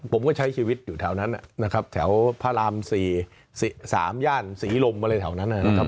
ผมก็ใช้ชีวิตอยู่แถวนั้นนะครับแถวพระราม๔๓ย่านศรีลมอะไรแถวนั้นนะครับ